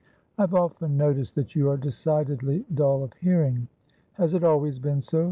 "I've often noticed that you are decidedly dull of hearing. Has it always been so?